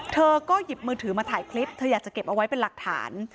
เธอก็หยิบมือถือมาถ่ายคลิปเธออยากจะเก็บเอาไว้เป็นหลักฐาน